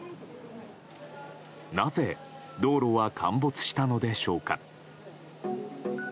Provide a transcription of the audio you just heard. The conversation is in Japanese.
なぜ、道路は陥没したのでしょうか。